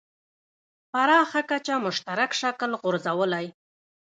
پراخه کچه مشترک شکل غورځولی.